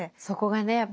そこがね